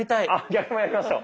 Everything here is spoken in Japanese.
逆もやりましょう。